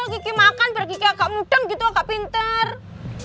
kiki makan berarti kiki agak mudeng gitu agak pinter